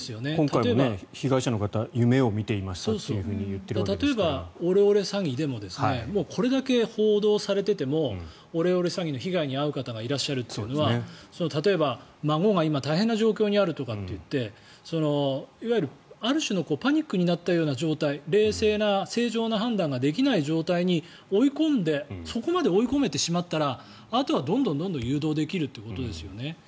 今回も被害者の方夢を見ていましたと例えば、オレオレ詐欺でもこれだけ報道されていてもオレオレ詐欺の被害に遭う方がいらっしゃるというのは例えば孫が今大変な状況にあるとか言っていわゆる、ある種のパニックになったような状態冷静な、正常な判断ができない状態に追い込んでそこまで追い込めてしまったらあとはどんどん誘導できるということですよね。